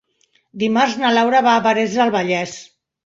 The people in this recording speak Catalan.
Dimarts na Laura va a Parets del Vallès.